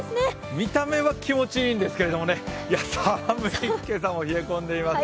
見た目は気持ちいいんですけれどもね、冷え込んでいます。